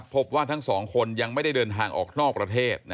พบว่าทั้งสองคนยังไม่ได้เดินทางออกนอกประเทศ